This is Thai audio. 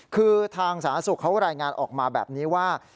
คือทางสาธารณสุขเขารายงานออกมาแบบนี้ว่า